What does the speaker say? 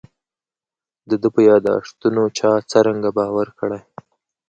د ده په یاداشتونو چا څرنګه باور کړی.